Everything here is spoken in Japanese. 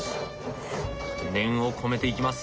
念を込めていきます。